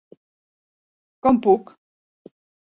Com puc.